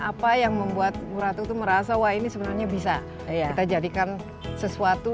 apa yang membuat bu ratu itu merasa wah ini sebenarnya bisa kita jadikan sesuatu